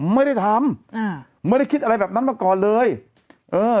ไม่ได้ทำอ่าไม่ได้คิดอะไรแบบนั้นมาก่อนเลยเออ